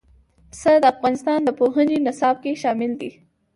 پسه د افغانستان د پوهنې نصاب کې شامل دي.